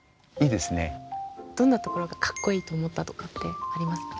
どんなところが格好いいと思ったとかってありますか？